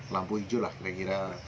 lampu hijau lah kira kira